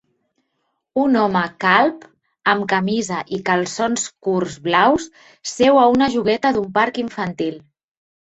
Un home calb amb camisa i calçons curts blaus seu a una jugueta d'un parc infantil